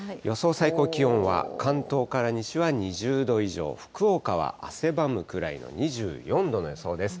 最高気温は、関東から西は２０度以上、福岡は汗ばむくらいの２４度の予想です。